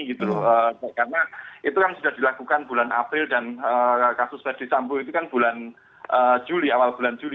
karena itu kan sudah dilakukan bulan april dan kasus fd sampo itu kan bulan juli awal bulan juli